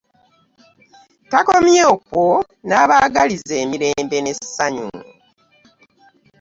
Takomye okwo n'abaagaliza emirembe n'essanyu